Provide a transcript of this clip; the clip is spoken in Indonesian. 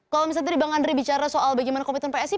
kalau misalnya tadi bang andri bicara soal bagaimana komitmen psi